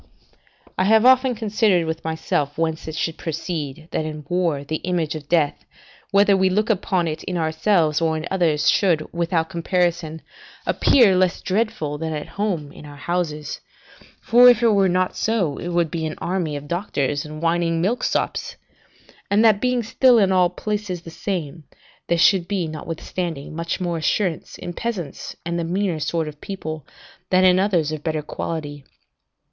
I have often considered with myself whence it should proceed, that in war the image of death, whether we look upon it in ourselves or in others, should, without comparison, appear less dreadful than at home in our own houses (for if it were not so, it would be an army of doctors and whining milksops), and that being still in all places the same, there should be, notwithstanding, much more assurance in peasants and the meaner sort of people, than in others of better quality.